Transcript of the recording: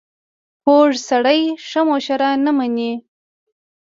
کوږ سړی ښه مشوره نه مني